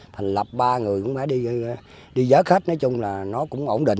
thành lập ba người cũng phải đi dớt hết nói chung là nó cũng ổn định